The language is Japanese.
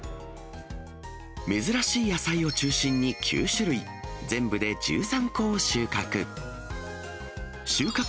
珍しい野菜を中心に９種類、全部で１３個を収穫。